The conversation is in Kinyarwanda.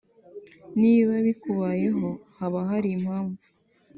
niba bikubayeho haba hari impamvu